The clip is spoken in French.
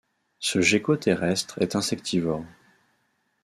Ce gecko terrestre est insectivore.